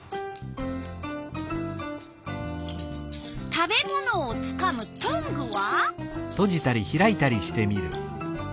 食べ物をつかむトングは？